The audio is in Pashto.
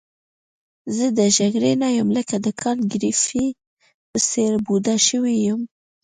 زه د جګړې نه یم لکه د کانت ګریفي په څېر بوډا شوی یم.